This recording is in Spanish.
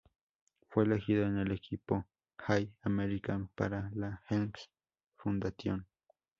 Fue elegido en en el equipo All-American para la Helms Foundation.